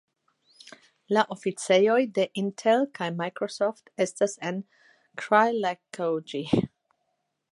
La oficejoj de Intel kaj Microsoft estas en Krilackoje.